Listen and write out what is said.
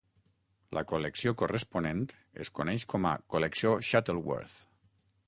La col·lecció corresponent es coneix com a Col·lecció Shuttleworth.